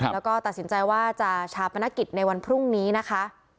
แล้วก็ตัดสินใจว่าจะชาปนกิจในวันพรุ่งนี้นะคะ